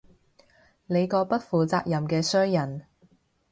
你個不負責任嘅衰人